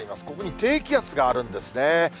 ここに低気圧があるんですね。